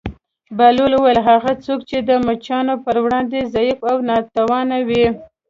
بهلول وویل: هغه څوک چې د مچانو پر وړاندې ضعیف او ناتوانه وي.